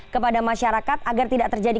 kepada masyarakat agar tidak terjadi